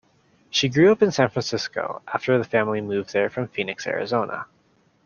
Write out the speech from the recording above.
She grew up in San Francisco after the family moved there from Phoenix, Arizona.